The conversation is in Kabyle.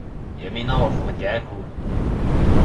Yamina ur tḍeyyeɛ akud.